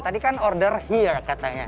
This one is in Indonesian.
tadi kan order iya katanya